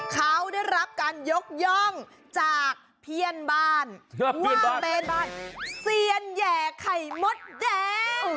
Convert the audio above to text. เขาได้รับการยกย่องจากเพื่อนบ้านว่าเป็นบ้านเซียนแห่ไข่มดแดง